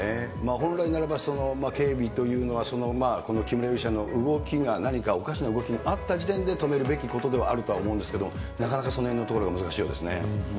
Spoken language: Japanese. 本来ならば、警備というのは、この木村容疑者の動きが、何かおかしな動きがあった時点で止めるべきことではあるとは思うんですけれども、なかなかそのへんのところが難しいようですね。